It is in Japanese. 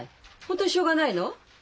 本当にしょうがないの？